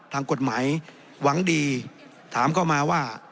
ทางกฎหมายหวังดีถามเข้ามาว่า